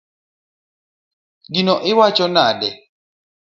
Gino iwacho nade?